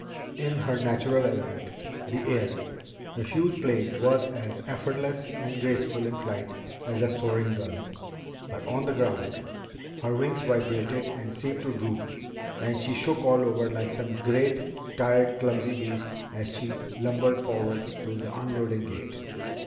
In her natural element, the air, the huge plane was as effortless and graceful in flight as a soaring gull. But on the ground, her wings vibrated and seemed to droop, and she shook all over like some great, tired clumsy beast as she lumbered forward to the unloading gate.